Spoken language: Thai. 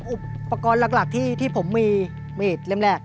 อุปกรณ์หลักที่ผมมีมีดเล่มแรก